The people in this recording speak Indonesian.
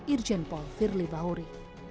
irjen paul firli bahuri